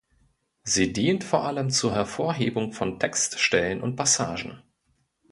Sie dient vor allem zur Hervorhebung von Textstellen und ‑passagen.